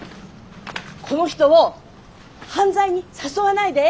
この人を犯罪に誘わないで。